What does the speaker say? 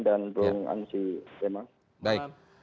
dan brung ansi tema